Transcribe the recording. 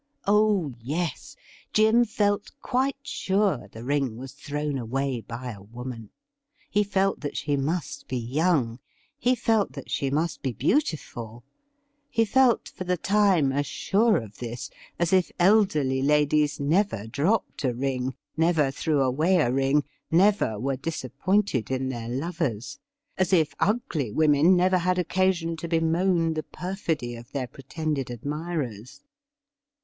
Oh yes, Jim felt quite siu e the ring was thrown away by a woman. He felt that she must be young ; he felt that she must be beautiful ; he felt for the time as sure of this as if elderly ladies never dropped a ring, never threw away a ring, never were disappointed in their lovers — as if ugly women never had occasion to bemoan the perfidy of their pretended admirers.